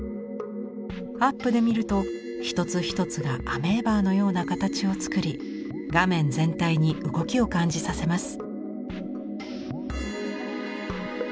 アップで見ると一つ一つがアメーバのような形を作り画面全体に動きを感じさせます。